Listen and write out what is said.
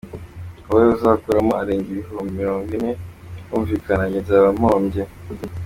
Wowe uzakuramo arenga ibihumbi mirongo ine, birumvikana njye nzaba mpombye.